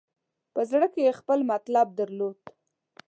په زړه کې یې خپل مطلب درلود.